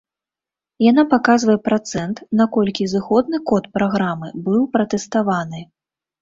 Яна паказвае працэнт, наколькі зыходны код праграмы быў пратэставаны.